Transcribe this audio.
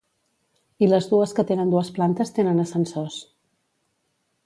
I les dues que tenen dues plantes tenen ascensors.